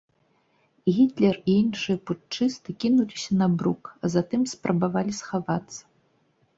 Гітлер і іншыя путчысты кінуліся на брук, а затым спрабавалі схавацца.